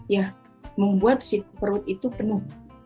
ya membuat si perut itu penuh